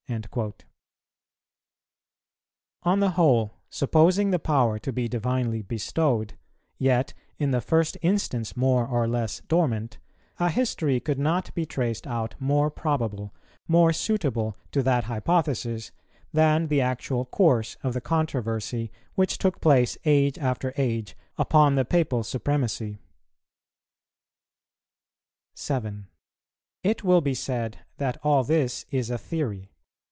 "[153:1] On the whole, supposing the power to be divinely bestowed, yet in the first instance more or less dormant, a history could not be traced out more probable, more suitable to that hypothesis, than the actual course of the controversy which took place age after age upon the Papal supremacy. 7. It will be said that all this is a theory.